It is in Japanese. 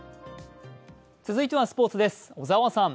続いてはスポーツです。